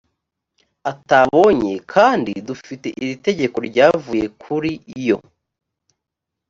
atabonye kandi dufite iri tegeko ryavuye kuri yo